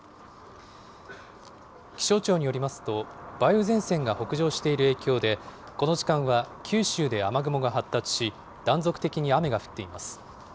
気象庁によりますと、梅雨前線が北上している影響で、この時間は九州で雨雲が発達し、断続的に雨が降っています。